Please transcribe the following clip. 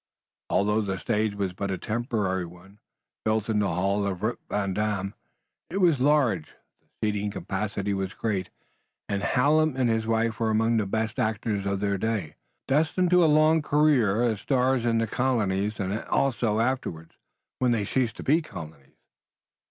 Although the stage was but a temporary one, built in the hall of Rip Van Dam, it was large, the seating capacity was great and Hallam and his wife were among the best actors of their day, destined to a long career as stars in the colonies, and also afterward, when they ceased to be colonies.